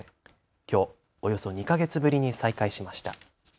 きょうおよそ２か月ぶりに再開しました。